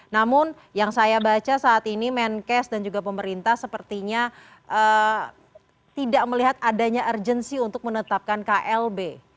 namun yang saya baca saat ini menkes dan juga pemerintah sepertinya tidak melihat adanya urgensi untuk menetapkan klb